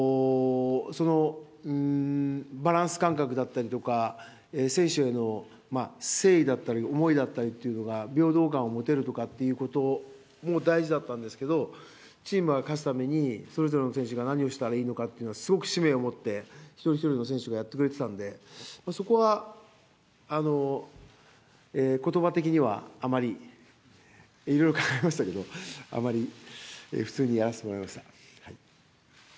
バランス感覚だったりとか、選手への誠意だったり、思いだったりっていうのが、平等感を持てるとかっていうことも大事だったんですけども、チームが勝つために、それぞれの選手が何をしたらいいのかっていうのはすごく使命を持って、一人一人の選手がやってくれてたんで、そこは、ことば的にはあまり、いろいろ考えましたけど、あまり普通にやらせてもらいました。